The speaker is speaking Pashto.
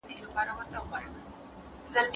د کار ځواک کمښت د صنعت لپاره لوی خنډ دی.